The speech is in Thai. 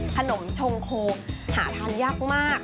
ขนมชงโคหาทานยากมาก